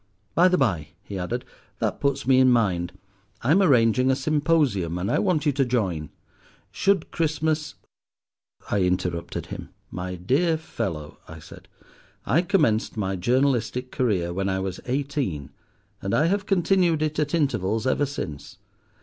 By the bye," he added, "that puts me in mind. I am arranging a symposium, and I want you to join. 'Should Christmas,'"—I interrupted him. "My dear fellow," I said, "I commenced my journalistic career when I was eighteen, and I have continued it at intervals ever since.